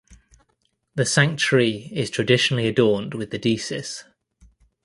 The sanctuary is traditionally adorned with the Deesis.